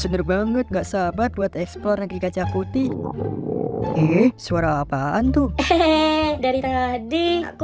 bener banget gak sabar buat eksplor nagi kaca putih suara apaan tuh hehehe dari tadi